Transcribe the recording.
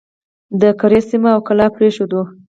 د کرز سیمه او کلا پرېښوده.